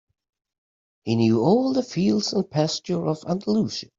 He knew all the fields and pastures of Andalusia.